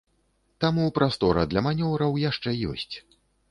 Таму прастора для манеўраў яшчэ ёсць.